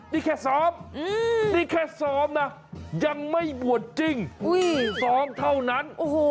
นี่แค่สอบนี่แค่สอบนะยังไม่บ่วนจริงสอบเท่านั้น